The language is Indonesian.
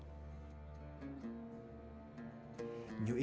masjid istiqlal yang diperoleh oleh masjid masjid besar di indonesia